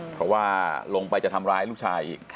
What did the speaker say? เพราะว่าลงไปจะทำร้ายลูกชายอีก